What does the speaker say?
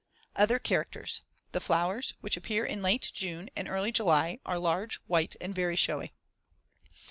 Other characters: The flowers, which appear in late June and early July, are large, white and very showy.